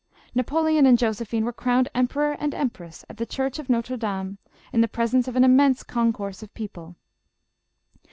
Napoleon and Josephine were crowned emperor and empress at the church of Notre Dame, in the presence of an immense concourse of people.